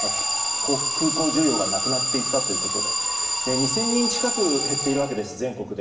空港需要がなくなっていったということで２０００人近く減っているわけです、全国で。